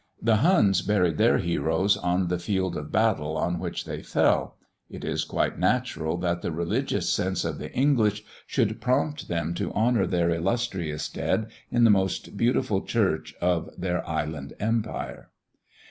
The Huns buried their heroes on the field of battle on which they fell; it is quite natural that the religious sense of the English should prompt them to honour their illustrious dead in the most beautiful church of their island empire.